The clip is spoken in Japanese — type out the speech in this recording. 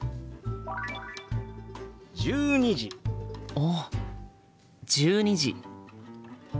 あっ１２時。